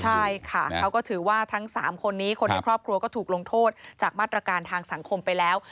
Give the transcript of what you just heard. ใช่ค่ะเขาก็ถือว่าทั้ง๓คนนี้คนในครอบครัวก็ถูกลงโทษจากมาตรการทางสังคมไปแล้ว